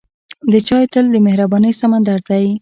د چای تل د مهربانۍ سمندر دی.